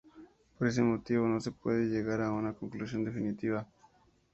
Por ese motivo, no se puede llegar a una conclusión definitiva.